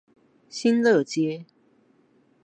新樂街